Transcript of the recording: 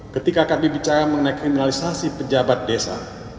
ketika kami bicara mengenai kriminalisasi pejabat desa